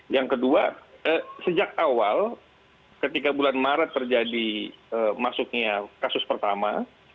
yang kedua sejak awal ketika bulan maret terjadi masuknya kasus pertama